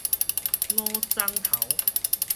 五摠頭